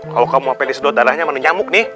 kalau kamu hp disedot darahnya mana nyamuk nih